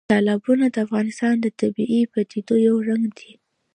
تالابونه د افغانستان د طبیعي پدیدو یو رنګ دی.